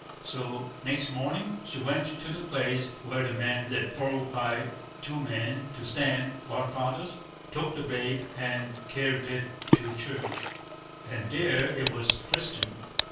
So next morning she came to the place where the man lived, followed by two men to stand godfathers, took the babe and carried it to church, and there it was christened.